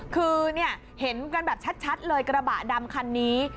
คือเห็นกันแบบชัดเลยกระบะดำคันนี้